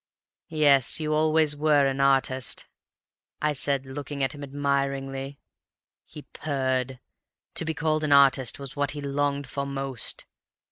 "'Yes, you always were an artist,' I said, looking at him admiringly. "He purred. To be called an artist was what he longed for most.